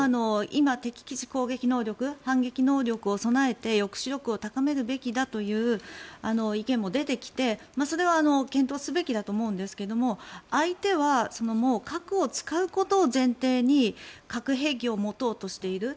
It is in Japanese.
今、敵基地攻撃能力反撃能力を備えて抑止力を高めるべきだという意見も出てきてそれは検討すべきだと思うんですけども相手は核を使うことを前提に核兵器を持とうとしている。